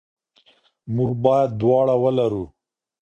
موږ باید دواړه ولرو.